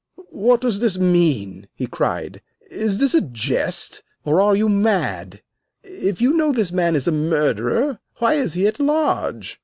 "What does this mean!" he cried. "Is this a jest, or are you mad? If you know this man is a murderer, why is he at large?